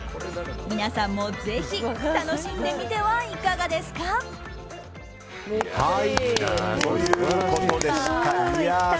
皆さんもぜひ楽しんでみてはいかがですか？ということでした。